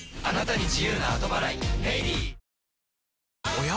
おや？